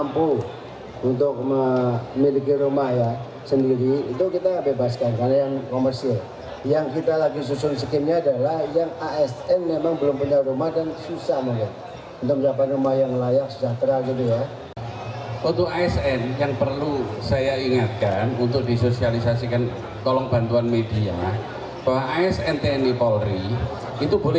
pemilikan rumah pribadi adalah kemungkinan yang terakhir